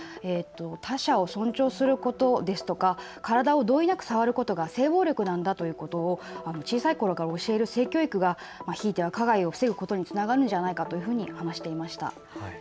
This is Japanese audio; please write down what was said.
他者を尊重することですとか体を同意なく触ることが性暴力なんだということを小さいころから教える性教育がひいては加害を防ぐことにつながるのではないかと話していました。